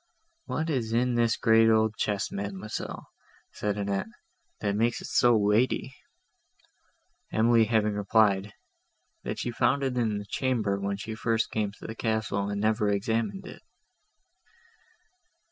"What is in this great old chest, Mademoiselle," said Annette, "that makes it so weighty?" Emily having replied, "that she found it in the chamber, when she first came to the castle, and had never examined it."